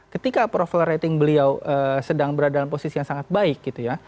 ketika approval rating beliau sedang berada dalam posisi yang sangat baik gitu ya